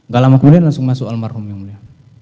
gak lama kemudian langsung masuk almarhum yang mulia